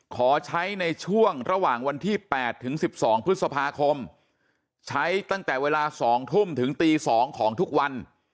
ขอใช้ในช่วงระหว่างวันที่๘ถึง๑๒พฤษภาคมใช้ตั้งแต่เวลา๒ทุ่มถึงตี๒ของทุกวัน